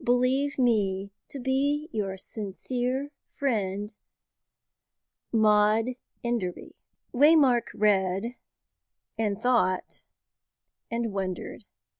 Believe me to be your sincere friend, "MAUD ENDERBY." Waymark read, and thought, and wondered.